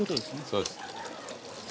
そうです。